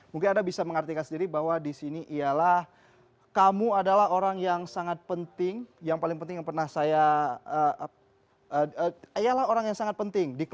mungkin anda bisa mengertikan sendiri bahwa disini ialah kamu adalah orang yang sangat penting